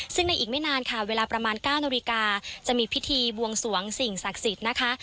ซึ่งในอีกไม่นานค่ะเวลาประมาณ๙นาฬิกาจะมีพิธีบวงสวงสิ่งศักดิ์สิทธิ์นะคะ